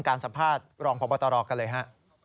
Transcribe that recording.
การสัมภาษณ์รองพบตรกันเลยฮะ